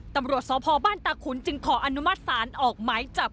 ตำรวจสพบ้านตาขุนจึงขออนุมัติศาลออกหมายจับ